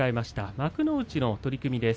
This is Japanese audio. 幕内の取組です。